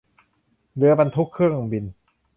เรือบรรทุกเครื่องบิน